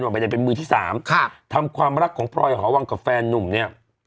มันไปตัวอย่างเป็นมือที่สามครับทำความรักของพรอยฮอวังกับแฟนนุ่มเนี้ย